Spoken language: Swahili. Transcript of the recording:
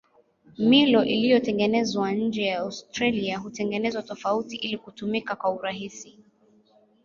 Milo iliyotengenezwa nje ya Australia hutengenezwa tofauti ili kutumika kwa urahisi.